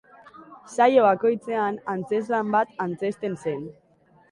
Saio bakoitzean antzezlan bat antzezten zen.